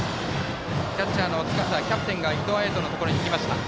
キャッチャーの塚原キャプテンが伊藤彩斗のところにいきました。